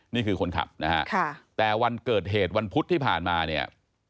นี่คือคนขับนะฮะแต่วันเกิดเหตุวันพุธที่ผ่านมาเนี่ย